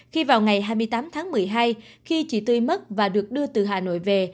hai mươi tám tháng một mươi hai khi chị tuy mất và được đưa từ hà nội về